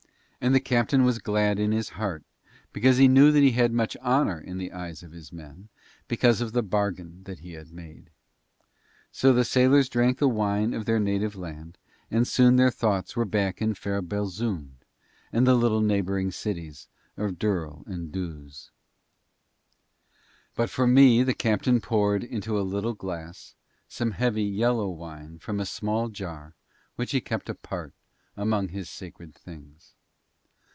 And the captain was glad in his heart because he knew that he had much honour in the eyes of his men because of the bargain that he had made. So the sailors drank the wine of their native land, and soon their thoughts were back in fair Belzoond and the little neighbouring cities of Durl and Duz. But for me the captain poured into a little glass some heavy yellow wine from a small jar which he kept apart among his sacred things.